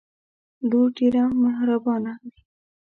لور ډیره محربانه وی